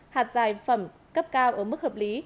hạt dài phẩm cấp cao ở mức hợp lý